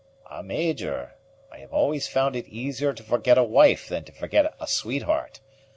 "Ah, Major! I have always found it easier to forget a wife than to forget a sweetheart.